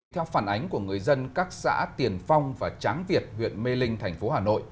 theo phản ánh của người dân các xã tiền phong và tráng việt huyện mê linh thành phố hà nội